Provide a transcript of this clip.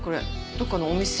どこかのお店？